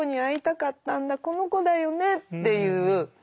この子だよね」っていう。